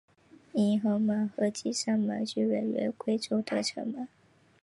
迎和门和景圣门均为原归州的城门。